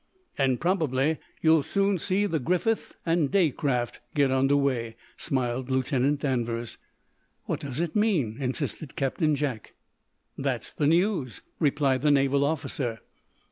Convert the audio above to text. "And, probably, you'll soon see the Griffith and Day craft get under way," smiled Lieutenant Danvers. "What does it mean?" insisted Captain Jack. "That's the news," replied the naval officer.